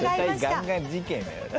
車体ガンガン事件だよな。